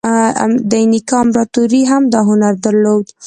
د اینکا امپراتورۍ هم دا هنر درلود.